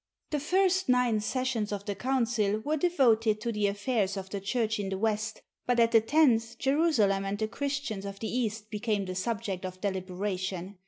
The first nine sessions of the council were devoted to the affairs of the Church in the West; but at the tenth Jerusalem and the Christians of the East became the subject of deliberation.